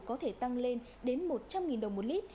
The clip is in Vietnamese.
có thể tăng lên đến một trăm linh đồng một lít